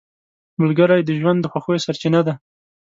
ملګری د ژوند د خوښیو سرچینه ده